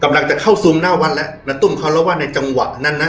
กำลังจะเข้าซูมหน้าวัดแล้วแล้วตุ้มเขาแล้วว่าในจังหวะนั้นนะ